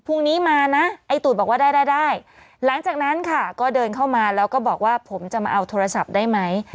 พรุ่งนี้มานะไอ้ตูดบอกว่าได้ได้หลังจากนั้นค่ะก็เดินเข้ามาแล้วก็บอกว่าผมจะมาเอาโทรศัพท์ได้ไหม